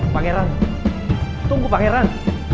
pangeran tunggu pangeran